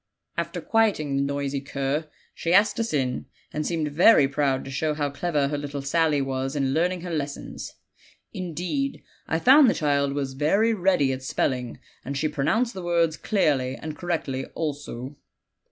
After quieting the noisy cur she asked us in, and seemed very proud to show how clever her little Sally was in learning her lessons; indeed, I found the child was very ready at spelling, and she pronounced the words clearly and correctly also.